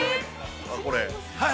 これ。